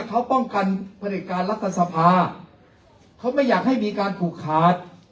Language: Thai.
เขาป้องกันผลิตการรัฐสภาเขาไม่อยากให้มีการผูกขาด